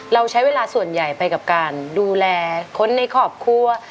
เราใช้เวลาส่วนใหญ่ไปกับการดูแลคนในครอบครัว